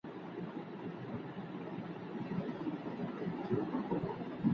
ولي لېواله انسان د تکړه سړي په پرتله خنډونه ماتوي؟